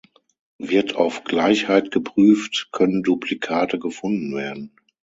Wird auf Gleichheit geprüft, können Duplikate gefunden werden.